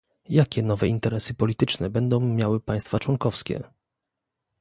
Jakie nowe interesy polityczne będą miały państwa członkowskie?